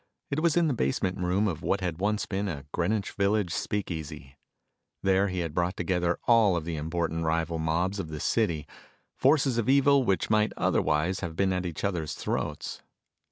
It was in the basement room of what had once been a Greenwich Village speakeasy. There he had brought together all of the important rival mobs of the city forces of evil which might otherwise have been at each other's throats.